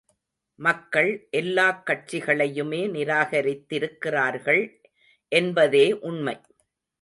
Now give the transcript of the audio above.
மக்கள் எல்லாக்கட்சிகளையுமே நிராகரித் திருக்கிறார்கள் என்பதே உண்மை.